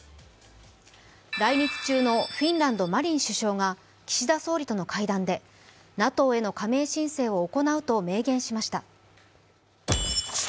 来日中のフィンランド、マリン首相が岸田総理との会談でＮＡＴＯへの加盟申請を行うと明言しました。